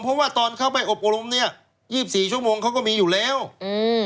เพราะว่าตอนเข้าไปอบรมเนี้ยยี่สิบสี่ชั่วโมงเขาก็มีอยู่แล้วอืม